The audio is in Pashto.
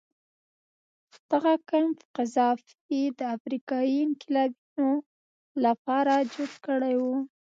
دغه کمپ قذافي د افریقایي انقلابینو لپاره جوړ کړی و.